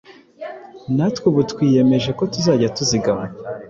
Natwe ubu twiyemeje ko tuzajya tuzigama